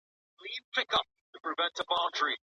د روغتیایي معلوماتو خوندیتوب څنګه تضمین کیږي؟